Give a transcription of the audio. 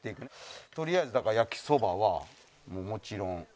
とりあえずだから焼きそばはもちろん。